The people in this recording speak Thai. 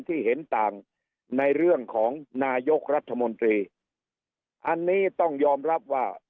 ที่เห็นต่างในเรื่องของนายกรัฐมนตรีอันนี้ต้องยอมรับว่า